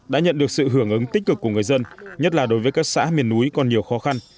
đã nhận được sự hưởng ứng tích cực của người dân nhất là đối với các xã miền núi còn nhiều khó khăn